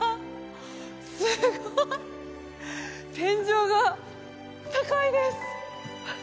すごい天井が高いです！